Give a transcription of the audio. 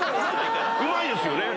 うまいですよね。